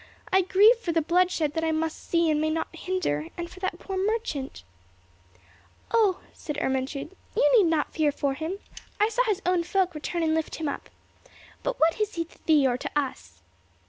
I grieve for the bloodshed that I must see and may not hinder, and for that poor merchant." "Oh," said Ermentrude, "you need not fear for him! I saw his own folk return and lift him up. But what is he to thee or to us?"